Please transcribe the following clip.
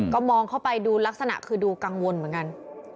ก็มองเข้าไปดูลักษณะคือดูกังวลเหมือนกัน